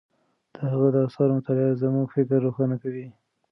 د هغه د آثارو مطالعه زموږ فکر روښانه کوي.